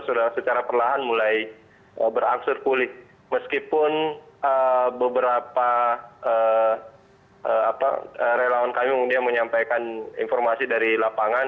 sudah secara perlahan mulai berangsur pulih meskipun beberapa relawan kami menyampaikan informasi dari lapangan